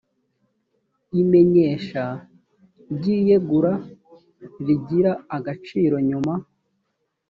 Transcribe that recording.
imenyesha ry iyegura rigira agaciro nyuma